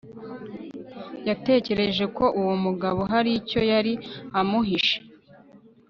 yatekereje ko uwo mugabo hari icyo yari amuhishe